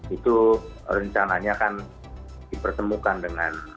itu rencananya akan dipertemukan dengan